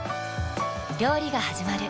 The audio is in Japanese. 料理がはじまる。